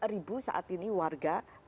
lima ribu saat ini warga